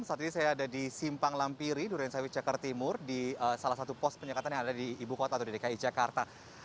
saat ini saya ada di simpang lampiri durensawit jakarta timur di salah satu pos penyekatan yang ada di ibu kota atau di dki jakarta